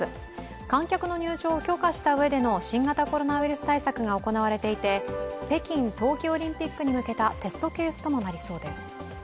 観客の入場を許可したうえでの新型コロナウイルス対策が行われていて、北京冬季オリンピックに向けたテストケースにもなりそうです。